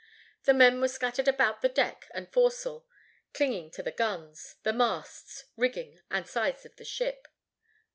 The men were scattered about the deck and forecastle, clinging to the guns, the masts, rigging and sides of the ship.